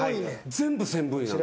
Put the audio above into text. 全部センブリなの？